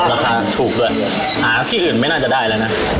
ราคาถูกด้วยหาที่อื่นไม่น่าจะได้แล้วนะ